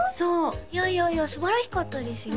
いやいやいやすばらしかったですよ